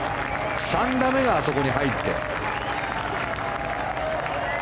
３打目があそこに入って。